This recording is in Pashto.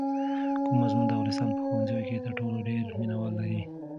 کوم مضمون د افغانستان په ښوونځیو کې تر ټولو ډېر مینه وال لري؟